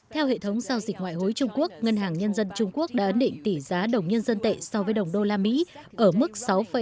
theo hệ thống giao dịch ngoại hối trung quốc ngân hàng nhân dân trung quốc đã ấn định tỷ giá đồng nhân dân tệ so với đồng đô la mỹ ở mức sáu tám nghìn bốn trăm chín mươi năm